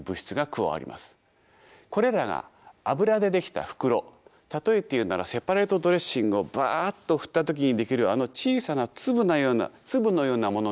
これらが油で出来た袋例えて言うならセパレートドレッシングをバッと振った時に出来るあの小さな粒のようなものに覆われます。